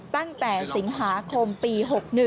ตั้งแต่สิงหาคมปี๖๑